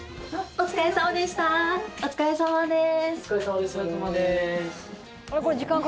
お疲れさまです。